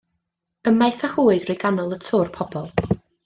Ymaith â hwy drwy ganol y twr pobl.